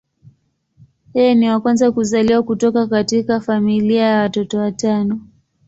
Yeye ni wa kwanza kuzaliwa kutoka katika familia ya watoto watano.